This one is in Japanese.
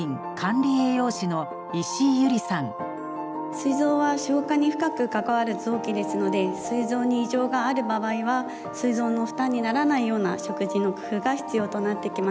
すい臓は消化に深く関わる臓器ですのですい臓に異常がある場合はすい臓の負担にならないような食事の工夫が必要となってきます。